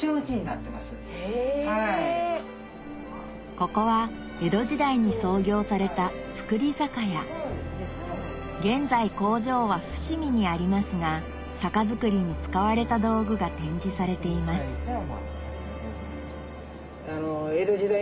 ここは江戸時代に創業された造り酒屋現在工場は伏見にありますが酒造りに使われた道具が展示されていますえっ